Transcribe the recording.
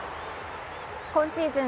今シーズン